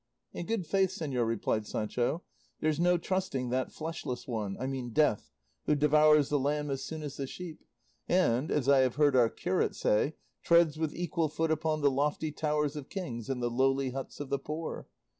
"In good faith, señor," replied Sancho, "there's no trusting that fleshless one, I mean Death, who devours the lamb as soon as the sheep, and, as I have heard our curate say, treads with equal foot upon the lofty towers of kings and the lowly huts of the poor.